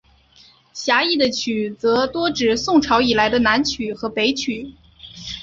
狭义的曲则多指宋朝以来的南曲和北曲。